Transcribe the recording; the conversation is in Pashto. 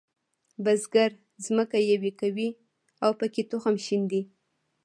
بزګر ځمکه یوي کوي او پکې تخم شیندي.